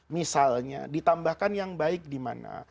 misalnya ditambahkan yang baik dimana